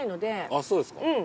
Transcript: あっそうですか。